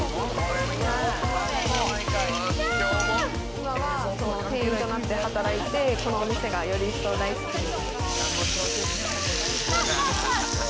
今は店員となって働いて、このお店がより一層大好きに。